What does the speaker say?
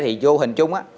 thì vô hình chung á